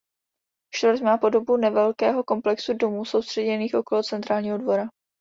Čtvrť má podobu nevelkého komplexu domů soustředěných okolo centrálního dvora.